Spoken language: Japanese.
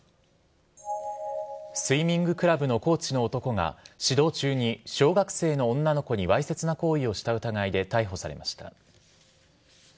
スイミングクラブのコーチの男が指導中に小学生の女の子にわいせつな行為をした疑いで逮捕されました。